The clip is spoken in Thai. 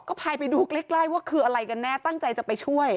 ก็พายไปดูใกล้ว่าคืออะไรกันแน่ตั้งใจจะไปช่วย